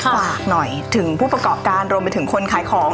ฝากหน่อยถึงผู้ประกอบการรวมไปถึงคนขายของ